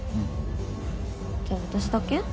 じゃあ私だけ？